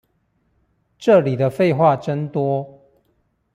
這裡的廢話真多